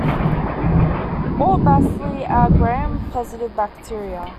All "Bacilli" are gram-positive bacteria.